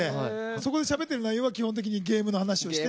そこでしゃべってる内容は基本的にゲームの話をして。